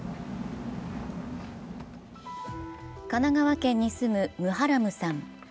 神奈川県に住むムハラムさん。